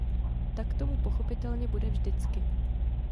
Tak tomu pochopitelně bude vždycky.